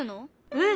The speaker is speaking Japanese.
うん！